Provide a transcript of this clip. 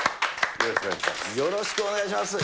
よろしくお願いします。